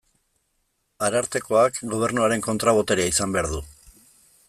Arartekoak Gobernuaren kontra-boterea izan behar du.